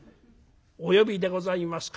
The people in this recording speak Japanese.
『お呼びでございますか？』